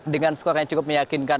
dengan skor yang cukup meyakinkan